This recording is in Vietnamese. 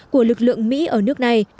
của lực lượng mỹ ở nước này